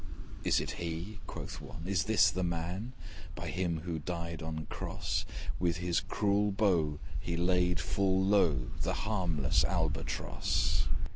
'Is it he?' quoth one, 'Is this the man? By him who died on cross, With his cruel bow he laid full low The harmless Albatross.